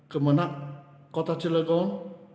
kemenang kota cilegon